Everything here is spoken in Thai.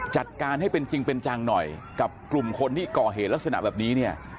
จัดการให้เป็นจริงเป็นจังหน่อยกับกลุ่มคนที่ก่อเหตุลักษณะแบบนี้เนี่ย